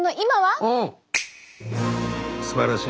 すばらしい！